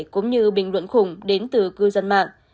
cũng như bình luận khủng đến từ cư dân mạng